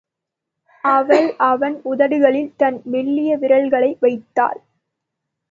அவள் அவன் உதடுகளில் தன் மெல்லிய விரல்களை வைத்தாள்.